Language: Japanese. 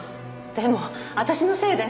でも私のせいで。